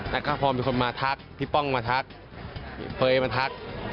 แล้วก็พอมีคนมาทักพี่ป้องมาทักเฟย์มาทัก